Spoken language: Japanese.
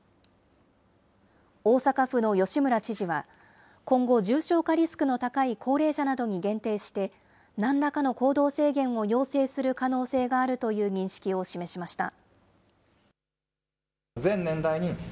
大阪府の吉村知事は、今後、重症化リスクの高い高齢者などに限定して、なんらかの行動制限を要請する可能性があるという認識を示しました。